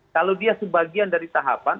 kalau dia sebagian dari tahapan